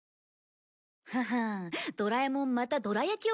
ははあドラえもんまたどら焼きを隠しているな。